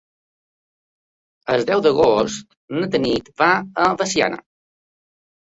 El deu d'agost na Tanit va a Veciana.